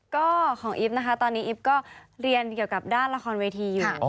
ก็ของอีฟนะคะตอนนี้อีฟก็เรียนเกี่ยวกับด้านละครเวทีอยู่